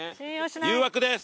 誘惑です。